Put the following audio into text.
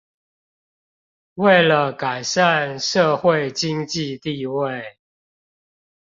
為了改善社會經濟地位